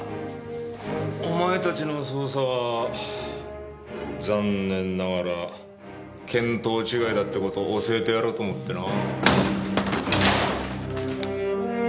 お前たちの捜査は残念ながら見当違いだって事を教えてやろうと思ってな。